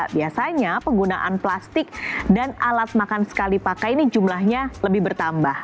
biasanya penggunaan plastik dan alat makan sekali pakai ini jumlahnya lebih bertambah